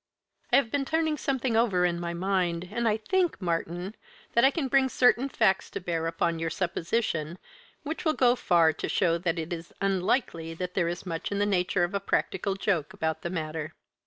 "I have been turning something over in my mind, and I think, Martyn, that I can bring certain facts to bear upon your supposition which will go far to show that it is unlikely that there is much in the nature of a practical joke about the matter.